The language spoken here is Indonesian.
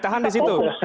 tahan di situ